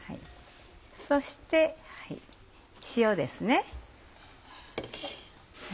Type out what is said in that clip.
そして塩ですね。